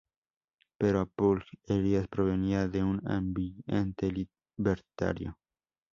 Pero Puig Elias provenía de un ambiente libertario.